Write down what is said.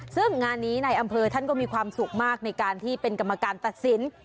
ซึ่งงานนี้ในอำเภอท่านก็มีความสุขมากในการที่เป็นกรรมการตัดสิน